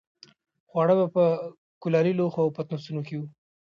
خواړه به په کلالي لوښو او پتنوسونو کې وو.